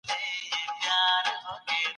تاسي باید د خپل عزت دپاره تل ویښ واوسئ.